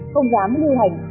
không dám lưu hành